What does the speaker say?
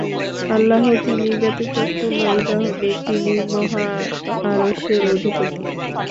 আল্লাহ, তিনি ব্যতীত কোন ইলাহ নেই, তিনি মহা আরশের অধিপতি।